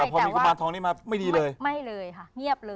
พอมีกุมารทองนี้มาไม่ดีเลย